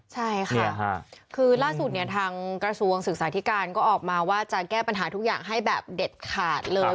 ใช่ค่ะคือล่าสุดเนี่ยทางกระทรวงศึกษาธิการก็ออกมาว่าจะแก้ปัญหาทุกอย่างให้แบบเด็ดขาดเลย